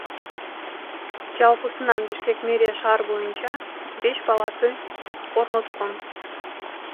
Жалпысынан Бишкек мэриясы шаар боюнча беш балаты орноткон.